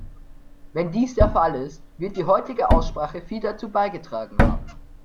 Wenn dies der Fall ist, wird die heutige Aussprache viel dazu beigetragen haben.